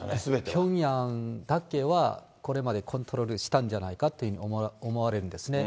ピョンヤンだけは、これまでコントロールしたんじゃないかっていうふうに思われるんですね。